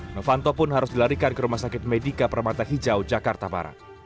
novanto pun harus dilarikan ke rumah sakit medika permata hijau jakarta barat